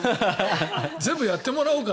全部やってもらおうかな。